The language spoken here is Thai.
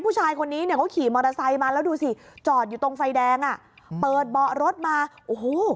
ผู้ชายคนนี้เนี่ยเขาขี่มอเตอร์ไซค์มาแล้วดูสิจอดอยู่ตรงไฟแดงอ่ะเปิดเบาะรถมาโอ้โห